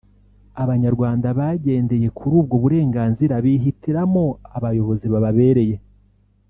Abanyarwanda bagendeye kuri ubwo burenganzira bihitiramo abayobozi bababereye